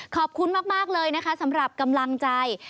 ขอบคุณมากเลยนะคะสำหรับกำลังใจ